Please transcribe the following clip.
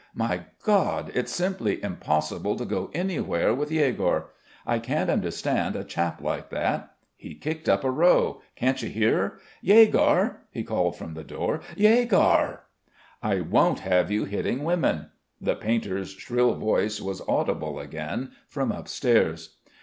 My God, it's simply impossible to go anywhere with Yegor. I can't understand a chap like that. He kicked up a row can't you hear? Yegor," he called from the door. "Yegor!" "I won't have you hitting women." The painter's shrill voice was audible again from upstairs.